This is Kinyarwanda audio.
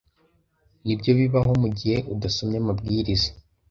Nibyo bibaho mugihe udasomye amabwiriza.